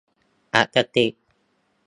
อคติ !